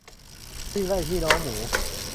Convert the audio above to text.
วิ่งไล่พี่น้องหมู